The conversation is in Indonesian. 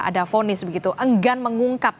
ada fonis begitu enggan mengungkap